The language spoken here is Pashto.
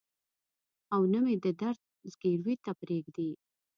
او نه مې د درد ځګروي ته پرېږدي.